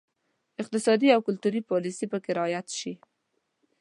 اقتصادي او کلتوري پالیسي پکې رعایت شي.